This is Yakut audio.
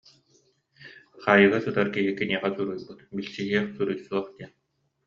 Хаайыыга сытар киһи киниэхэ суруйбут, билсиһиэх, суруйсуох диэн